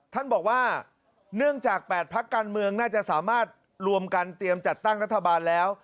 ท่านบอกว่าเนื่องจาก๘พักการเมืองน่าจะสามารถรวมกันเตรียมจัดตั้งรัฐบาลแล้ว